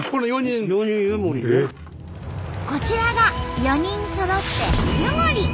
こちらが４人そろって湯守！